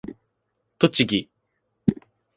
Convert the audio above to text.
栃木